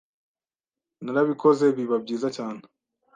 Narabikoze biba byiza cyane